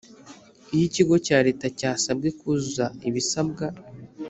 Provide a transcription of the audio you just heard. iyo ikigo cya leta cyasabwe kuzuza ibisabwa